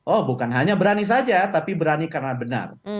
oh bukan hanya berani saja tapi berani karena benar